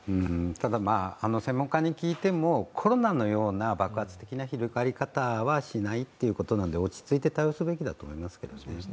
ただ、専門家に聞いてもコロナのような爆発的な広がり方はしないということなので落ち着いて対応すべきだと思います。